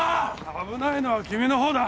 危ないのは君の方だ。